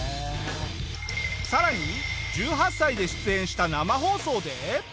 さらに１８歳で出演した生放送で。